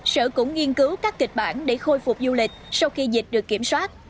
sở cũng nghiên cứu các kịch bản để khôi phục du lịch sau khi dịch được kiểm soát